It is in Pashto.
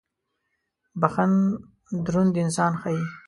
• بخښن دروند انسان ښيي.